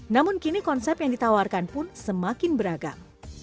namun kini konsep yang ditawarkan pun semakin beragam